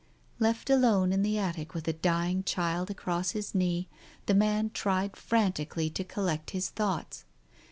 Left alone in the attic with a dying child across his knee, the man tried frantically to collect his thoughts.